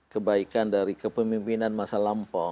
kebaikan dari kepemimpinan masa lampau